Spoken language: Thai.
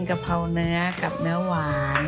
กะเพราเนื้อกับเนื้อหวาน